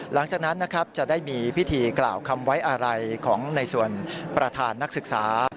หลังจากนั้นนะครับจะได้มีพิธีกล่าวคำไว้อะไรของในส่วนประธานนักศึกษา